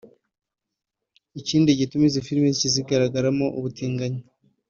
Ikindi gituma izi filime zigaragaramo ubutinganyi